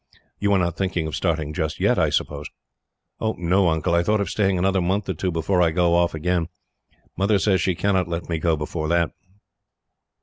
You are not thinking of starting just yet, I suppose?" "No, Uncle. I thought of staying another month or two, before I go off again. Mother says she cannot let me go before that."